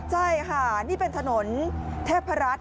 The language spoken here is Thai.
ใช่ค่ะนี่เป็นถนนเทพรัฐ